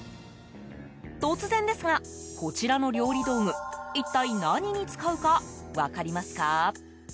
突然ですが、こちらの料理道具一体、何に使うか分かりますか？